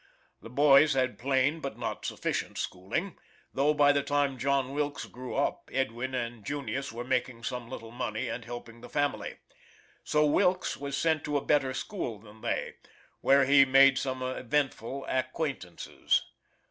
The boys had plain but not sufficient schooling, though by the time John Wilkes grew up Edwin and Junius were making some little money and helping the family. So Wilkes was sent to a better school than they, where he made some eventful acquaintances.